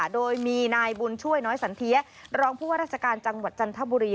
โดยมีนายบุญช่วยน้อยสันเทียรองผู้ว่าราชการจังหวัดจันทบุรี